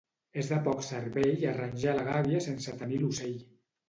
És de poc cervell arranjar la gàbia sense tenir l'ocell.